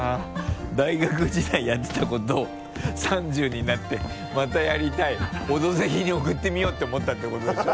大学時代にやってたことを３０になって「またやりたい」「オドぜひに送ってみよう」って思ったってことでしょ？